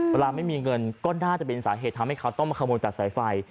เวลาไม่มีเงินก็น่าจะเป็นสาเหตุทำให้เขาต้องมาขโมยตัดสายไฟ